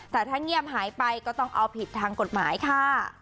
แต่ถ้าเงียบหายไปก็ต้องเอาผิดทางกฎหมายค่ะ